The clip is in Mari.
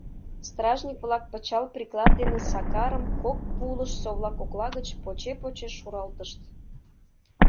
Стражник-влак пычал приклад дене Сакарым кок пулыш совла кокла гыч поче-поче шуралтышт.